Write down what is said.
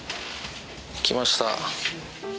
来ました。